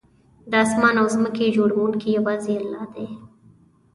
د آسمان او ځمکې جوړونکی یوازې الله دی